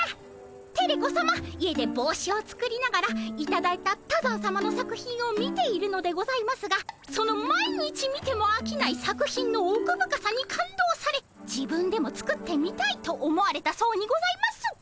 テレ子さま家で帽子を作りながらいただいた多山さまの作品を見ているのでございますがその毎日見てもあきない作品の奥深さに感動され自分でも作ってみたいと思われたそうにございます。